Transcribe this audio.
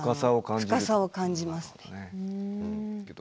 深さを感じますね。